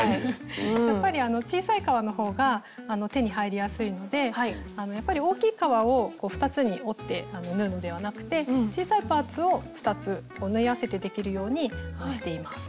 やっぱり小さい革の方が手に入りやすいのでやっぱり大きい革を２つに折って縫うのではなくて小さいパーツを２つ縫い合わせてできるようにしています。